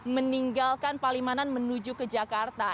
meninggalkan palimanan menuju ke jakarta